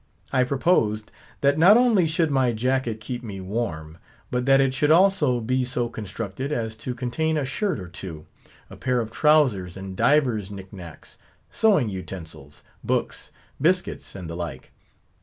I proposed, that not only should my jacket keep me warm, but that it should also be so constructed as to contain a shirt or two, a pair of trowsers, and divers knick knacks—sewing utensils, books, biscuits, and the like.